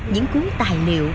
những cuốn tài liệu